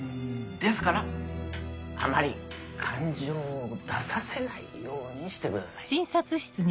ですからあまり感情を出させないようにしてください。